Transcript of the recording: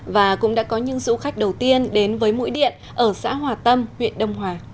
và cũng đã có những du khách đầu tiên đến với mũi điện ở xã hòa tâm huyện đông hòa